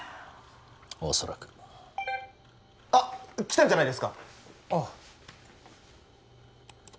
おそらくあっ来たんじゃないですか？